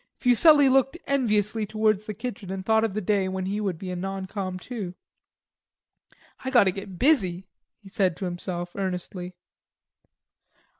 Fuselli looked enviously towards the kitchen and thought of the day when he would be a non com too. "I got to get busy," he said to himself earnestly.